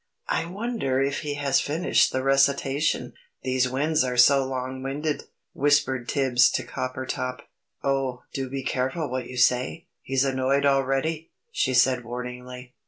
"I wonder if he has finished the recitation? These winds are so long winded," whispered Tibbs to Coppertop. "Oh, do be careful what you say! He's annoyed already!" she said warningly.